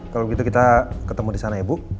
kalau gitu kita ketemu di sana ya bu